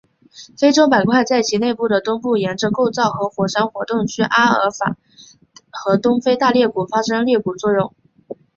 非洲板块在其内部的东部沿着构造和火山活动区阿法尔三角和东非大裂谷发生裂谷作用。